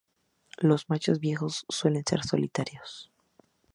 Los machos viejos suelen ser solitarios.